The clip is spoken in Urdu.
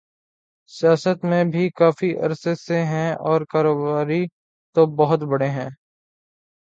سیاست میں بھی کافی عرصے سے ہیں اور کاروباری تو بہت بڑے ہیں۔